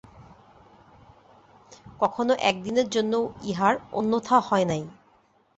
কখনো একদিনের জন্য ইহার অন্যথা হয় নাই।